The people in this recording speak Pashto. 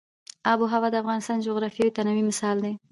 آب وهوا د افغانستان د جغرافیوي تنوع مثال دی.